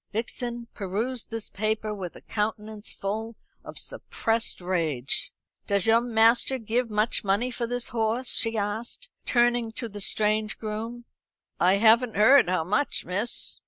Vixen perused this paper with a countenance full of suppressed rage. "Does your master give much money for this horse?" she asked, turning to the strange groom. "I haven't heard how much, miss."